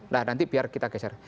nah nanti biar kita geser